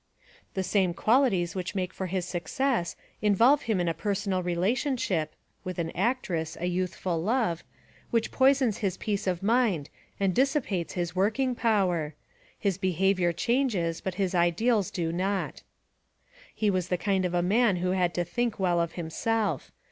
]. "The same qualities which made for his success in volve him in a personal relationship [with an actress, a youthful love] which poisons his peace of mind and dissipates his working power. His behavior changes, but his ideals do not. "He was the kind of a man who had to think well of himself.